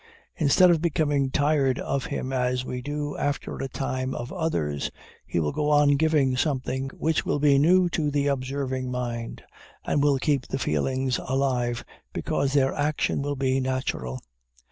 Instead of becoming tired of him, as we do, after a time, of others, he will go on giving something which will be new to the observing mind, and will keep the feelings alive, because their action will be natural.